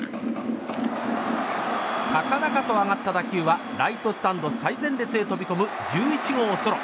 高々と上がった打球はライトスタンド最前列へ飛び込む１１号ソロ。